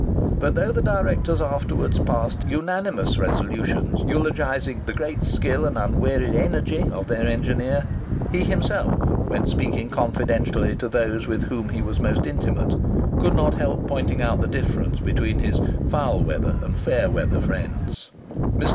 But though the directors afterwards passed unanimous resolutions eulogising "the great skill and unwearied energy" of their engineer, he himself, when speaking confidentially to those with whom he was most intimate, could not help pointing out the difference between his "foul weather and fair weather friends." Mr.